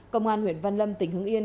công an huyện văn lâm tỉnh hưng yên